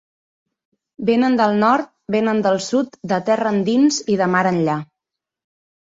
Vénen del nord, vénen del sud, de terra endins i de mar enllà.